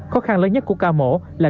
khó khăn lớn nhất của ca mổ là